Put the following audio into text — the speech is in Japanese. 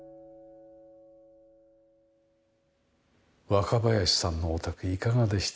若林さんのお宅いかがでしたか？